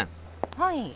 はい。